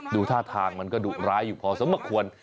ดูท่าทางมันก็ดุร้ายอยู่พอสมควร